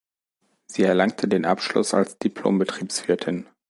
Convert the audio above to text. Sie erlangte den Abschluss als Diplom-Betriebswirtin.